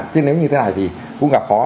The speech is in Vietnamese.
chứ nếu như thế này thì cũng gặp khó